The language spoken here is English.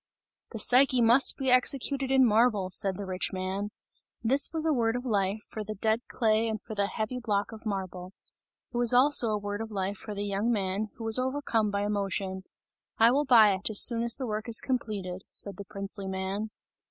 "The Psyche must be executed in marble!" said the rich man. This was a word of life, for the dead clay and for the heavy block of marble; it was also a word of life for the young man who was overcome by emotion. "I will buy it, as soon as the work is completed!" said the princely man.